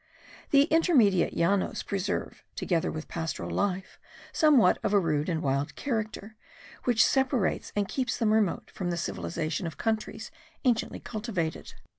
The intermediate Llanos preserve, together with pastoral life, somewhat of a rude and wild character which separates and keeps them remote from the civilization of countries anciently cultivated.